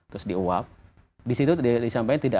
terus diuap disitu disampaikan tidak